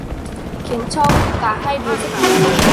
Khiến cho cả hai đứa giật mình